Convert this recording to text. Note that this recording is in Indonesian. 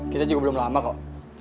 kita juga belum lama kok